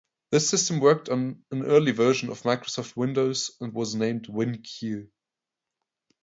This system worked on an early version of Microsoft Windows, and was named WinCue.